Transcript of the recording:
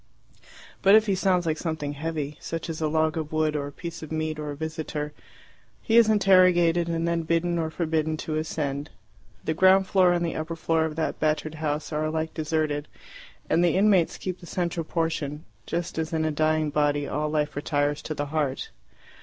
But if he sounds like something heavy, such as a log of wood, or a piece of meat, or a visitor, he is interrogated, and then bidden or forbidden to ascend. The ground floor and the upper floor of that battered house are alike deserted, and the inmates keep the central portion, just as in a dying body all life retires to the heart.